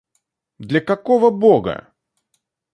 Для какого Бога?